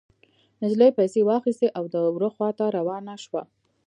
نجلۍ پيسې واخيستې او د وره خوا ته روانه شوه.